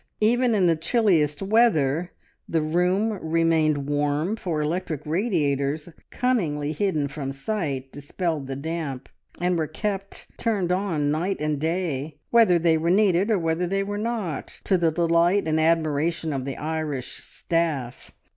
Even in the chilliest weather the room remained warm, for electric radiators, cunningly hidden from sight, dispelled the damp, and were kept turned on night and day, "whether they were needed, or whether they were not," to the delight and admiration of the Irish staff.